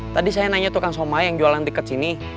tadi saya nanya tukang soma yang jualan tiket sini